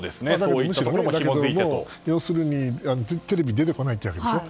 要するにテレビ出てこないというわけでしょ。